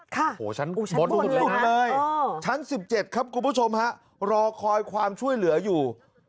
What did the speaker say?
โอ้โหชั้นบนหลุมเลยชั้น๑๗ครับคุณผู้ชมฮะรอคอยความช่วยเหลืออยู่